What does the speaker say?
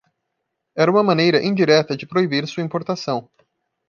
Era uma maneira indireta de proibir sua importação.